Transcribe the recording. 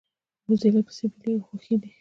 وزې له پسه بېلېږي خو ښې دي